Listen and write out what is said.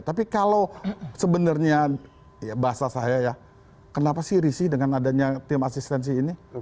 tapi kalau sebenarnya bahasa saya ya kenapa sih risih dengan adanya tim asistensi ini